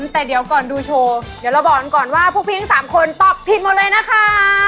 แต่เดี๋ยวก่อนดูโชว์เดี๋ยวเราบอกกันก่อนว่าพวกพี่ทั้ง๓คนตอบผิดหมดเลยนะคะ